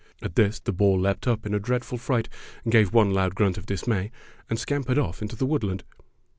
At this the boar leaped up in a dreadful fright, gave one loud grunt of dismay, and scampered oflf into the woodland.